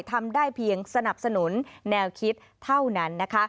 ทำได้เพียงสนับสนุนแนวคิดเท่านั้นนะคะ